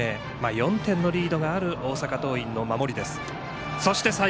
４点のリードがある大阪桐蔭の守りです。